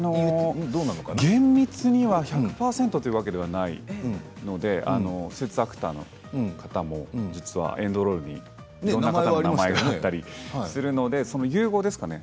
厳密には１００％というわけではないのでスーツアクターの方も実はエンドロールに名前があったりするのでその融合ですかね。